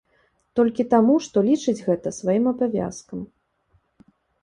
Толькі таму, што лічыць гэта сваім абавязкам.